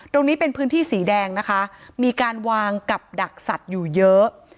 ตรงนี้เป็นพื้นที่สีแดงนะคะมีการวางกับดักสัตว์อยู่เยอะ